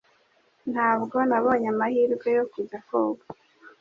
Ntabwo nabonye amahirwe yo kujya koga.